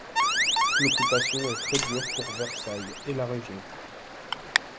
L'occupation est très dure pour Versailles et la région.